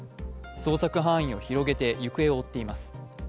捜索範囲を広げて行方を追っています。